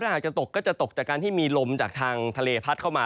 ถ้าหากจะตกก็จะตกจากการที่มีลมจากทางทะเลพัดเข้ามา